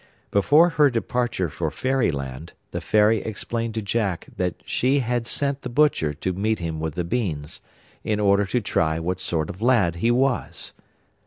Before her departure for fairyland, the Fairy explained to Jack that she had sent the butcher to meet him with the beans, in order to try what sort of lad he was.